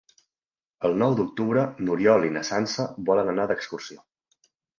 El nou d'octubre n'Oriol i na Sança volen anar d'excursió.